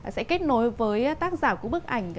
sẽ kết nối với tác giả của bức ảnh